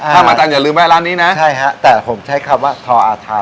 ท่ามาจันทร์อย่าลืมแวะร้านนี้นะใช่ครับแต่ผมใช้คำว่าทออทาแม่เอกท่า